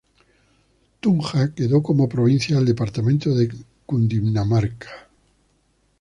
Tunja quedó como provincia del departamento de Cundinamarca.